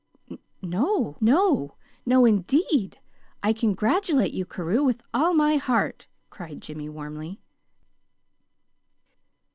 "No! No, indeed! I congratulate you, Carew, with all my heart," cried Jimmy, warmly.